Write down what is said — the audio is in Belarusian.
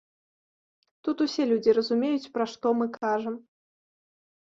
Тут усе людзі разумеюць, пра што мы кажам.